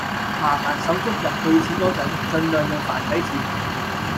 麻煩手足入句子嗰陣，盡量用繁體字